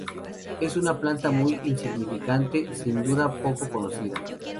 Es una planta muy insignificante, sin duda poco conocida.